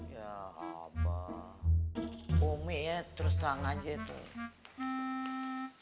ya apa umi ya terserang aja tuh